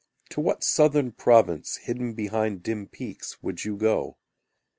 To what southern province Hidden behind dim peaks, would you go?